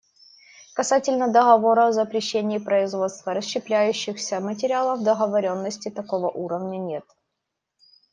Касательно договора о запрещении производства расщепляющихся материалов договоренности такого уровня нет.